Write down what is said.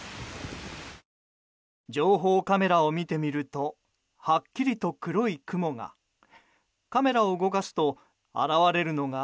情報カメラを見てみるとはっきりと黒い雲が。